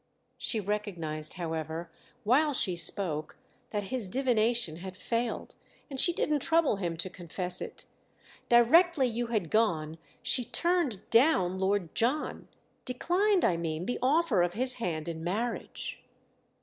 She recognised, however, while she spoke, that his divination had failed, and she didn't trouble him to confess it. "Directly you had gone she 'turned down' Lord John. Declined, I mean, the offer of his hand in marriage."